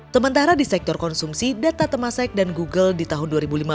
sementara di sektor konsumsi data temasek dan google di tahun dua ribu lima belas